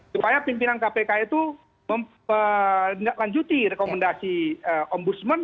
supaya pimpinan kpk itu mendeklanjuti rekomendasi ombudsman